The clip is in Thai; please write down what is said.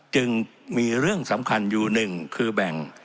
จึงมีเรื่องสำคัญอยู่หนึ่งคือแบ่ง